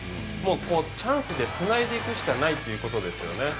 チャンスでつないでいくしかないということですよね。